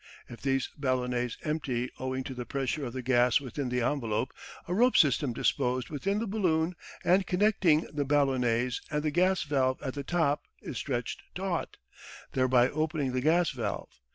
If these ballonets empty owing to the pressure of the gas within the envelope, a rope system disposed within the balloon and connecting the ballonets and the gas valve at the top is stretched taut, thereby opening the gas valve.